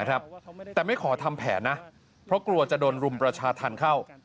แต่ไม่ขอทำแผนนะเพราะกลัวจะโดนรุมประชาธรรมเข้า